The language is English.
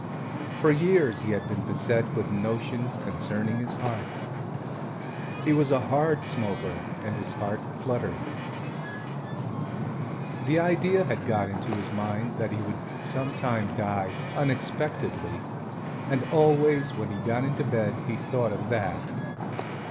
For years he had been beset with notions concerning his heart. He was a hard smoker and his heart fluttered. The idea had got into his mind that he would some time die unexpectedly and always when he got into bed he thought of that.